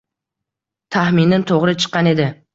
Tahminim to’g’ri chiqqan edi.